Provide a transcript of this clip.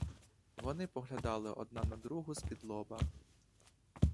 Вони поглядали одна на другу спідлоба.